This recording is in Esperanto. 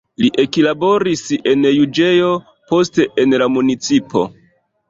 Li eklaboris en juĝejo, poste en la municipo.